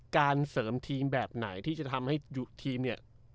การเสริมทีมแบบไหนที่จะทำให้ทีมเนี่ย